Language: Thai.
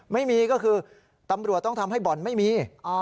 ไม่มีก็คือตำรวจต้องทำให้บ่อนไม่มี